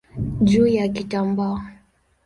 juu ya kitambaa.